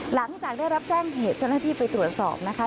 หลังจากได้รับแจ้งเหตุเจ้าหน้าที่ไปตรวจสอบนะคะ